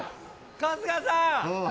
春日さん